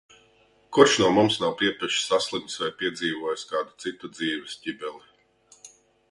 Kurš no mums nav piepeši saslimis vai piedzīvojis kādu citu dzīves ķibeli.